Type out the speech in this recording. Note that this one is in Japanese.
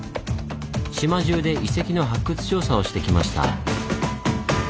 島じゅうで遺跡の発掘調査をしてきました。